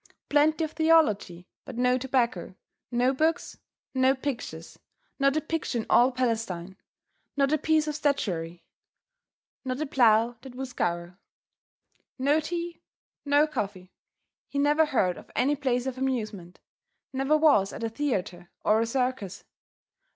Plenty of theology but no tobacco, no books, no pictures, not a picture in all Palestine, not a piece of statuary, not a plough that would scour. No tea, no coffee; he never heard of any place of amusement, never was at a theatre, or a circus.